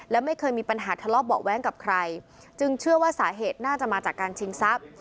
และไม่เคยมีปัญหาทะเลาะเบาะแว้งกับใครจึงเชื่อว่าสาเหตุน่าจะมาจากการชิงทรัพย์